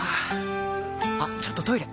あっちょっとトイレ！